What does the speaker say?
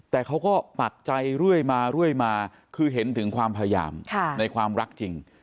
แต่เขาก็ปักใจเรื่อยมาเรื่อยมาคือเห็นถึงความพยายามในความรักจริง